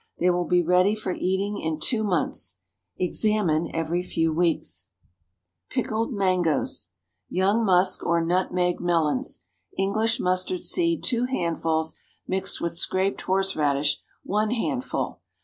They will be ready for eating in two months. Examine every few weeks. PICKLED MANGOES. ✠ Young musk or nutmeg melons. English mustard seed two handfuls, mixed with Scraped horseradish, one handful.